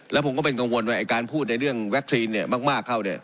และผมก็เป็นกังวลว่าการพูดในเรื่องแวสตรีนมากมากเข้า